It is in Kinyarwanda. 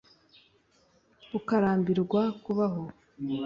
ukarambirwa kubaho